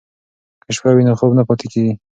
که شپه وي نو خوب نه پاتې کیږي.